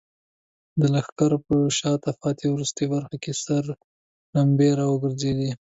د لښکر په شاته پاتې وروستۍ برخه کې سرې لمبې راوګرځېدې.